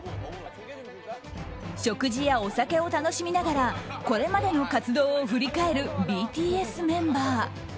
食事やお酒を楽しみながらこれまでの活動を振り返るＢＴＳメンバー。